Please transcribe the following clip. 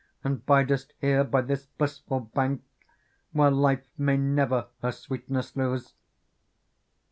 And bidest here by this blissful bank Where life may never her sweetness lose